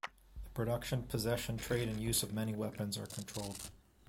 The production, possession, trade and use of many weapons are controlled.